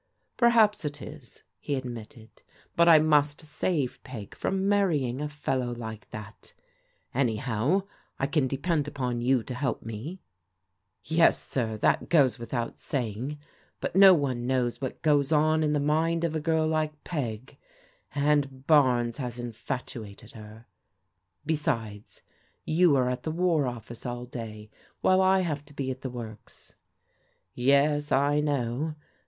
" Perhaps it is," he admitted, " but I must save Peg 92 PBODIGAL DAUGHTEBS from marrying a fellow like that Anyhow I can de pend upon you to help me ?"" Yes, sir, that goes without saying; but no one knows what goes on in the mind of a girl like Peg, and Barnes has infatuated her. Besides, you are at the War Office all day, while I have to be at the works." " Yes, I know.